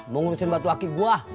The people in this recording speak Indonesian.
mau ngurusin batu akik gue